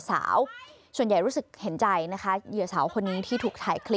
สาวส่วนใหญ่รู้สึกเห็นใจนะคะเหยื่อสาวคนนี้ที่ถูกถ่ายคลิป